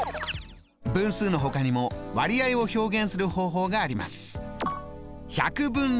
分数のほかにも割合を表現する方法があります。